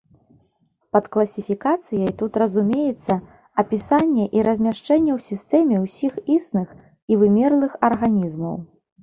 Пад класіфікацыяй тут разумеецца апісанне і размяшчэнне ў сістэме ўсіх існых і вымерлых арганізмаў.